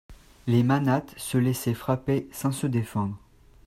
Les manates se laissaient frapper sans se défendre.